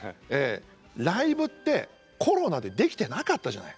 ライブってコロナでできてなかったじゃない。